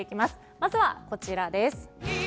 まずはこちらです。